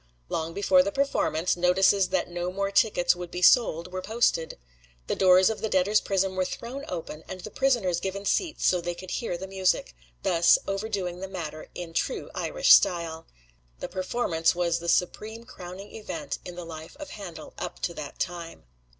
Long before the performance, notices that no more tickets would be sold were posted. The doors of the Debtors' Prison were thrown open, and the prisoners given seats so they could hear the music thus overdoing the matter in true Irish style. The performance was the supreme crowning event in the life of Handel up to that time.